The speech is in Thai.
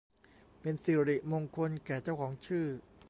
เป็นศิริมงคลแก่เจ้าของชื่อ